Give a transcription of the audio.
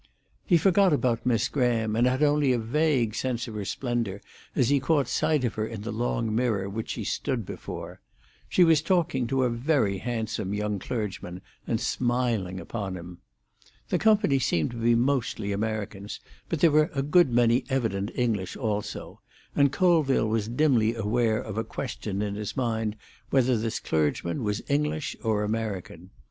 He forgot about Miss Graham, and had only a vague sense of her splendour as he caught sight of her in the long mirror which she stood before. She was talking to a very handsome young clergyman, and smiling upon him. The company seemed to be mostly Americans, but there were a good many evident English also, and Colville was dimly aware of a question in his mind whether this clergyman was English or American.